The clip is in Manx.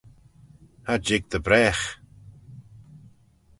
Cha jig dy bragh!